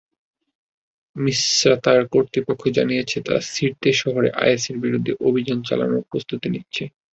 মিসরাতার কর্তৃপক্ষ জানিয়েছে, তারা সির্তে শহরে আইএসের বিরুদ্ধে অভিযান চালানোর প্রস্তুতি নিচ্ছে।